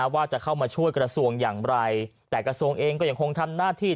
ว่าจะเข้ามาช่วยกระทรวงอย่างไรแต่กระทรวงเองก็ยังคงทำหน้าที่